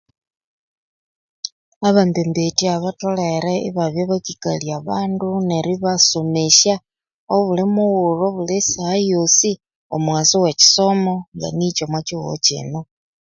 Abembembetya batholere obabya bakikalya abandu neribasomesya obulimughulhu obulisaha yosi omughasu we kisomo nganiki omokihugho kino.